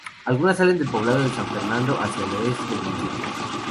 Algunas salen del poblado de San Fernando hacia el oeste del municipio.